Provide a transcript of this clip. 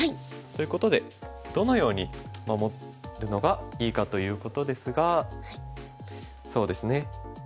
ということでどのように守るのがいいかということですがそうですね。